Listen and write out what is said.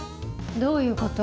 どういう事？